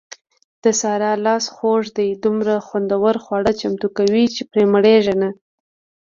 د سارې لاس خوږ دی دومره خوندور خواړه چمتو کوي، چې پرې مړېږي نه.